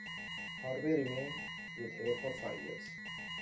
Harvey remained with "Hair" for five years.